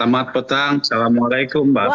selamat petang assalamualaikum mbak